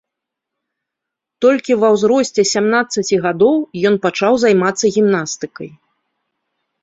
Толькі ва ўзросце сямнаццаці гадоў ён пачаў займацца гімнастыкай.